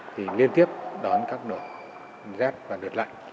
thì liên tiếp đón các đợt rét và đợt lạnh